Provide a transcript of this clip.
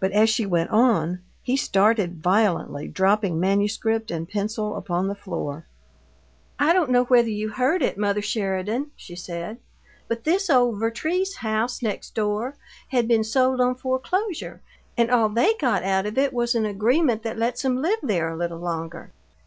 But, as she went on, he started violently, dropping manuscript and pencil upon the floor. "I don't know whether you heard it, mother Sheridan," she said, "but this old Vertrees house, next door, had been sold on foreclosure, and all THEY got out of it was an agreement that let's 'em live there a little longer.